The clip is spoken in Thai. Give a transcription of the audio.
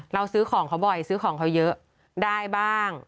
ซื้อของเขาบ่อยซื้อของเขาเยอะได้บ้าง